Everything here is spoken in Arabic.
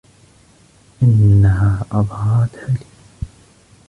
إنها أظهرتها لي.